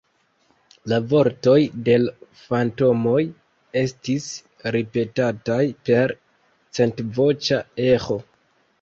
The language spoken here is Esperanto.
La vortoj de l' fantomoj estis ripetataj per centvoĉa eĥo.